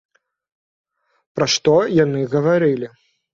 Пра што яны гаварылі?